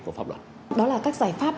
của pháp luật đó là các giải pháp